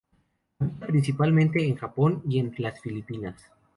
Habita principalmente en Japón y en las Filipinas.